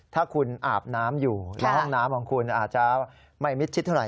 ถ้าคุณอาบน้ำอยู่แล้วห้องน้ำของคุณอาจจะไม่มิดชิดเท่าไ